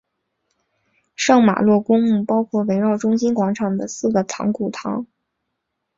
圣玛洛公墓包括围绕中心广场的四个藏骨堂。